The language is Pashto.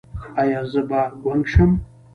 ایا زه به ګونګ شم؟